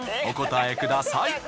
お答えください。